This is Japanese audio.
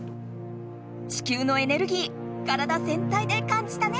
地球のエネルギー体ぜんたいで感じたね！